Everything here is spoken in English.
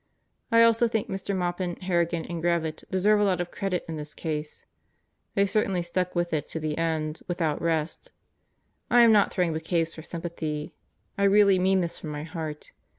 I also think Mr. Maupin, Harrigan, and Gravitt deserve a lot of credit in this case. They certainly stuck with it to the end without rest. I am not throwing bouquets for sympathy. I really mean this from my heart.